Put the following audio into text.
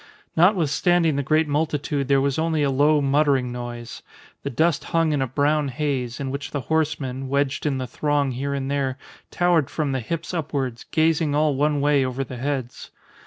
Notwithstanding the great multitude there was only a low, muttering noise; the dust hung in a brown haze, in which the horsemen, wedged in the throng here and there, towered from the hips upwards, gazing all one way over the heads.